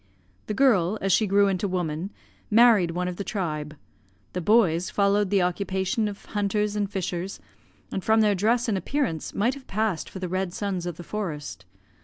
The girl, as she grew into woman, married one of the tribe; the boys followed the occupation of hunters and fishers, and from their dress and appearance might have passed for the red sons of the forest.